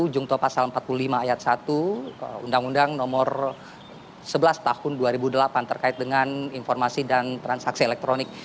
jungto pasal empat puluh lima ayat satu undang undang nomor sebelas tahun dua ribu delapan terkait dengan informasi dan transaksi elektronik